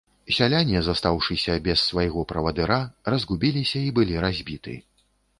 Сяляне, застаўшыся без свайго правадыра, разгубіліся і былі разбіты.